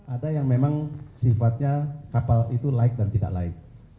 ada yang memang sifatnya kapal itu laik dan tidak laik